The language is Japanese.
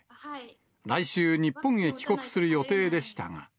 来週、日本へ帰国する予定でしたが。